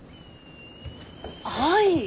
はい。